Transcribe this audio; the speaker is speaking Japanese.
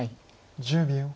１０秒。